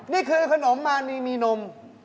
นี่คือขนมมานีมีนม